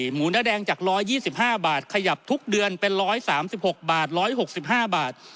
หมูเนื้อแดงจาก๑๒๕บาทขยับทุกเดือนเป็น๑๓๖บาท๑๖๕บาท